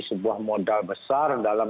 sebuah modal besar dalam